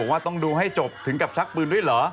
ว่าต้องดูให้จบถึงกับชักปืนด้วยเหรอ